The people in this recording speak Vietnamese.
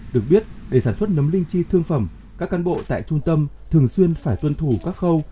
được biết để sản xuất nấm linh chi thương phẩm các căn bộ tại trung tâm thường xuyên phải tuân thủ các khâu